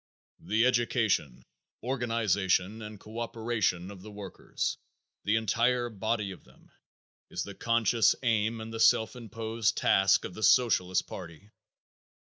The education, organization and co operation of the workers, the entire body of them, is the conscious aim and the self imposed task of the Socialist party.